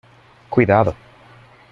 ¡Cuidado!